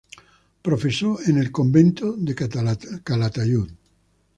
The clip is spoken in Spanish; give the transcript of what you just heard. Profesó en el convento de Calatayud.